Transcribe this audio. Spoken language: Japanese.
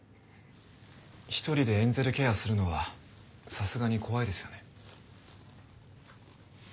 １人でエンゼルケアするのはさすがに怖いですよね。